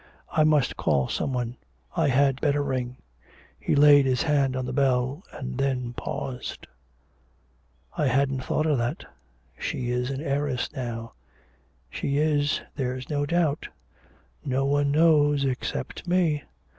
I must call some one. I had better ring.' He laid his hand on the bell, and then paused. 'I hadn't thought of that. She is an heiress now she is, there's no doubt. No one knows except me.